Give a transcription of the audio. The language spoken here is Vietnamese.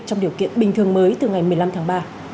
trong điều kiện bình thường mới từ ngày một mươi năm tháng ba